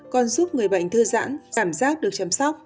còn giúp người bệnh thư giãn cảm giác được chăm sóc